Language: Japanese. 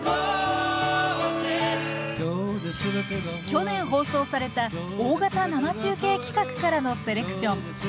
去年放送された大型生中継企画からのセレクション